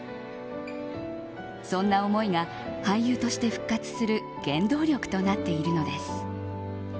そんな思いが俳優として復活する原動力となっているのです。